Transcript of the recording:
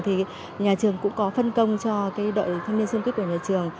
thì nhà trường cũng có phân công cho cái đội thanh niên xuân kích của nhà trường